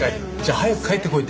早く帰ってこいよ！